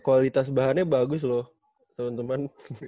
kualitas bahannya bagus loh temen temen